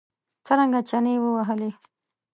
څرنګه چنې ووهلې.